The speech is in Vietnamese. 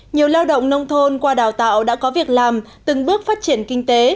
nhiều lao động nông thôn qua đào tạo đã có việc làm từng bước phát triển kinh tế